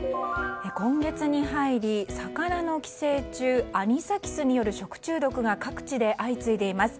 今月に入り、魚の寄生虫アニサキスによる食中毒が各地で相次いでいます。